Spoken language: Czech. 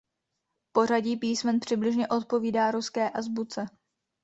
Pořadí písmen přibližně odpovídá ruské azbuce.